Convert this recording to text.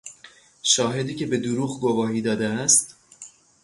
شاهدی که به دروغ گواهی داده است